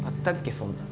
そんなん。